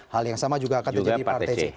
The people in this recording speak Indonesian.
hal yang sama juga akan terjadi partai c